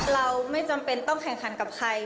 เราไม่จำเป็นต้องแข่งขันกับใคร